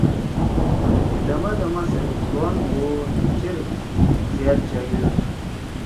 ہے دما دما سیأت زوان ہُو او ہے چیر زیاد جاہل آشُو۔